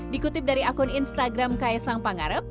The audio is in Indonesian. dikutip dari akun instagram kaisang pangarep